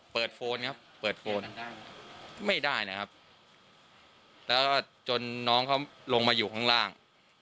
เปิดโฟนครับไม่ได้นะครับแล้วก็จนน้องเขาลงมาอยู่ข้างล่าง